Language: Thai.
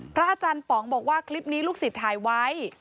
พระอาจารย์ป๋องค์บอกว่าลูกศิษย์ถ่ายไว้